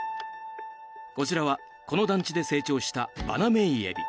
こちらは、この団地で成長したバナメイエビ。